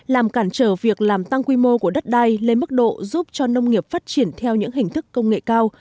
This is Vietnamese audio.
làm cản trở việc làm tăng quy mô của đất đai lên mức độ giúp cho nông nghiệp phát triển theo những hình thức công nghệ cao